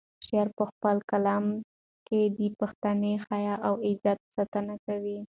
شاعر په خپل کلام کې د پښتني حیا او غیرت ساتنه کوي.